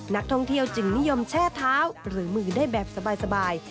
นักท่องเที่ยวจึงนิยมแช่เท้าหรือมือได้แบบสบาย